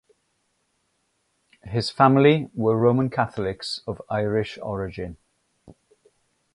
His family were Roman Catholics of Irish origin.